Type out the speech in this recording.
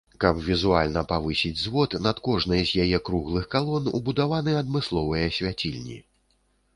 Каб візуальна павысіць звод, над кожнай з яе круглых калон убудаваны адмысловыя свяцільні.